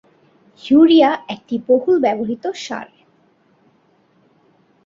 Urea একটি বহুল ব্যবহৃত সার।